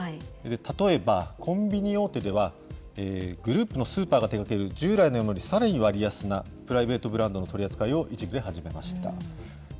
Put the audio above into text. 例えばコンビニ大手では、グループのスーパーが手がける従来のよりさらに割安なプライベートブランドの取り扱いを一部で始めました。